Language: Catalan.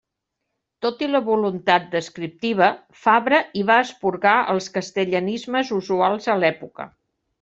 Tot i la voluntat descriptiva, Fabra hi va esporgar els castellanismes usuals a l'època.